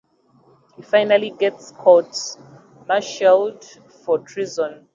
He finally gets court-martialed for treason.